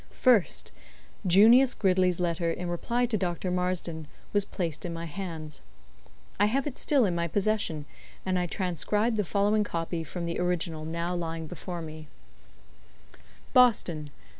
First, Junius Gridley's letter in reply to Dr. Marsden was placed in my hands. I have it still in my possession, and I transcribe the following copy from the original now lying before me: "BOSTON, Dec.